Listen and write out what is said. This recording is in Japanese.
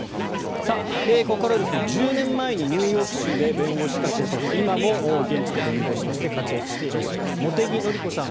ここからは１０年前にニューヨーク州で弁護士資格を取って今も弁護士として現地で活躍していらっしゃいます茂木紀子さん